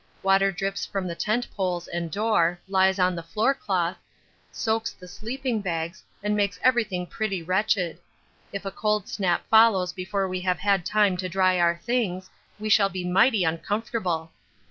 water drips from the tent poles and door, lies on the floorcloth, soaks the sleeping bags, and makes everything pretty wretched. If a cold snap follows before we have had time to dry our things, we shall be mighty uncomfortable.